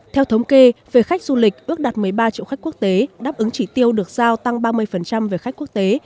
theo thống kê về khách du lịch ước đạt một mươi ba triệu khách quốc tế đáp ứng chỉ tiêu được giao tăng ba mươi về khách quốc tế